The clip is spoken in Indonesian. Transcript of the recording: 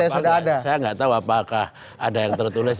saya gak tau apakah ada yang tertulis